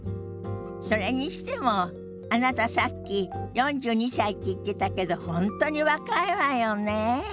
それにしてもあなたさっき４２歳って言ってたけど本当に若いわよねえ。